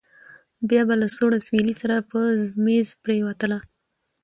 بيا به له سوړ اسويلي سره په مېز پرېوتله.